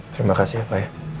terima kasih pak ya